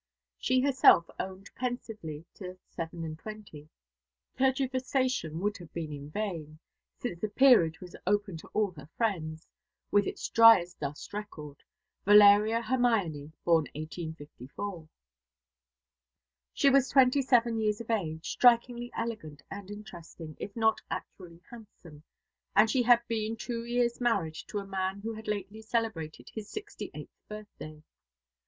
She herself owned pensively to seven and twenty. Tergiversation would have been vain, since the Peerage was open to all her friends, with its dryasdust record, "Valeria Hermione, born 1854." She was twenty seven years of age, strikingly elegant and interesting, if not actually handsome, and she had been two years married to a man who had lately celebrated his sixty eighth birthday.